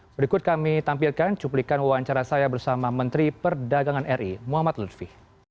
berikut kami tampilkan cuplikan wawancara saya bersama menteri perdagangan ri muhammad lutfi